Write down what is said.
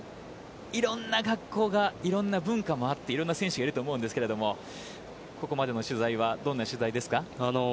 いろんな学校がいろんな文化もあっていろんな選手がいると思いますがここまでの取材はどうですか。